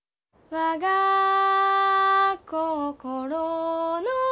「我が心の」